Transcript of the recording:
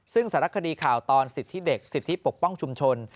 ซึ่งสารคดีข่าวตอนสิทธิเด็กสิทธิปกป้องชุมชน